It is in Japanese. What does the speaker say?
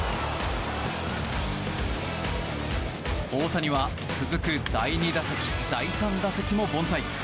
大谷は続く第２打席第３打席も凡退。